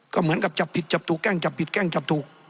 ก็เหมือนกับจับผิดจับถูกแกล้งจับผิดแกล้งจับถูก